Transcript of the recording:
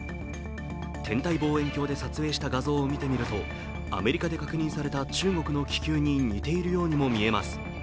天体望遠鏡で撮影した画像を見てみるとアメリカで確認された中国の気球に似ているようにも見えます。